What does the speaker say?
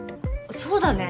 そうだね。